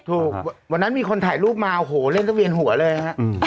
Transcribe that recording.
วันนั้นมีคนถ่ายรูปมาโอ้โหเล่นทุกเวียนหัวเลยฮะ